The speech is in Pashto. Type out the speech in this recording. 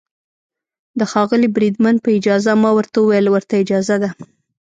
د ښاغلي بریدمن په اجازه، ما ورته وویل: ورته اجازه ده.